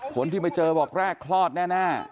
คนที่ไปเจอบอกแรกคลอดแน่